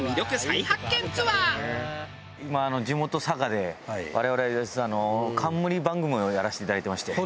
地元佐賀で我々実は冠番組をやらせていただいてまして。